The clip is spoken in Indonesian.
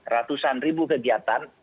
ratusan ribu kegiatan